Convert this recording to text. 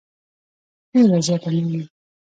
ډېره زیاته مننه .